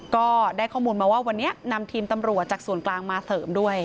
ก็ได้ข้อมูลมาว่าวันนี้นำทีมตำรวจจากส่วนกลางมาเสริมด้วย